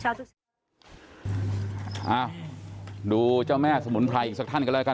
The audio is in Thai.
อ่าดูแม่สมนไพรอีกสักท่านกันค่ะ